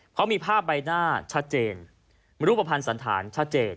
เพราะมีภาพใบหน้าชัดเจนรูปภัณฑ์สันธารชัดเจน